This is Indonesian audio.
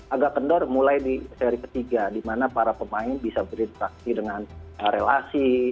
agak kendor mulai di seri ketiga di mana para pemain bisa berinteraksi dengan relasi